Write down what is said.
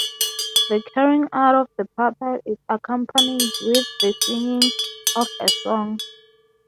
The carrying out of the puppet is accompanied with the singing of a song.